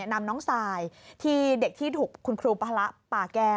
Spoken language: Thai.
นำน้องทรายที่เด็กที่ถูกคุณครูพระป่าแก้ว